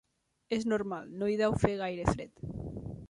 És normal, no hi deu fer gaire fred.